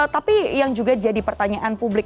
tapi yang juga jadi pertanyaan publik